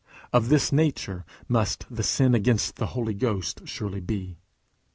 Of this nature must the sin against the Holy Ghost surely be.